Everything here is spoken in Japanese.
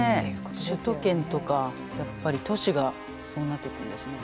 首都圏とかやっぱり都市がそうなっていくんですね。